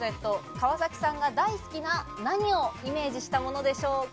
川崎さんが大好きな何をイメージしたものでしょうか？